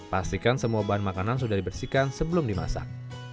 pastikan semua bahan makanan sudah dibersihkan sebelum dimasak